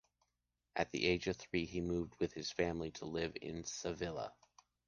At the age of three, he moved with his family to live in Sevilla.